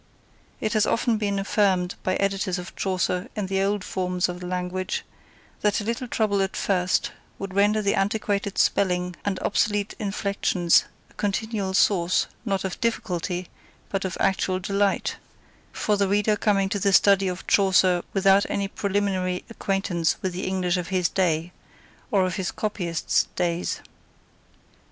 It has often been affirmed by editors of Chaucer in the old forms of the language, that a little trouble at first would render the antiquated spelling and obsolete inflections a continual source, not of difficulty, but of actual delight, for the reader coming to the study of Chaucer without any preliminary acquaintance with the English of his day — or of his copyists' days.